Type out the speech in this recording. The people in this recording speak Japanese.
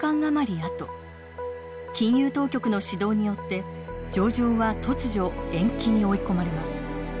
あと金融当局の指導によって上場は突如延期に追い込まれます。